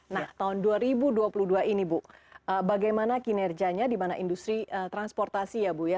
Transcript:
nah tahun dua ribu dua puluh dua ini bu bagaimana kinerjanya di mana industri transportasi ya bu ya